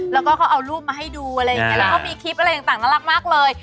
แล้วก็เขาเอารูปมาให้ดูอะไรอย่างนี้แล้วก็มีคลิปอะไรต่างน่ารักมากเลย